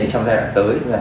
trong giai đoạn tới